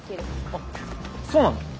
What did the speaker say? あっそうなんだ。